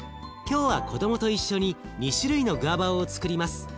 今日は子どもと一緒に２種類のグアバオをつくります。